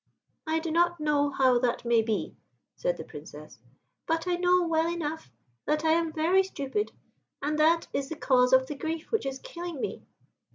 "I do not know how that may be," said the Princess, "but I know well enough that I am very stupid, and that is the cause of the grief which is killing me."